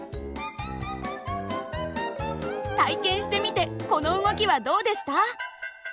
体験してみてこの動きはどうでした？